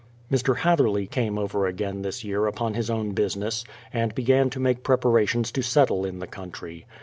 Mr. Hatherley came over again this year upon his own business, and began to make preparations to settle in the country.